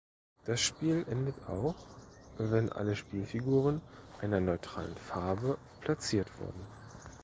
Das Spiel endet auch wenn alle Spielfiguren einer neutralen Farbe platziert wurden.